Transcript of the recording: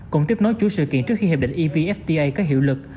cùng tiếp nối chú sự kiện trước khi hiệp định evfta có hiệu lực